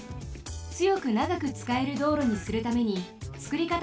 つよくながくつかえる道路にするためにつくりかたにくふうがあります。